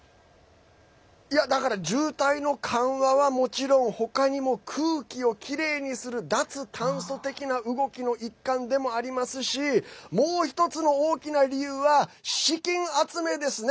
だから渋滞の緩和はもちろん他にも空気をきれいにする脱炭素的な動きの一環でもありますしもう１つの大きな理由は資金集めですね。